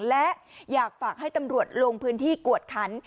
และอยากฝากให้ตำรวจลงพื้นที่กวดคัน